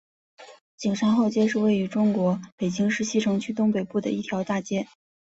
景山后街是位于中国北京市西城区东北部的一条大街。